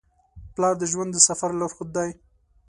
پلار د ژوند د سفر لارښود دی.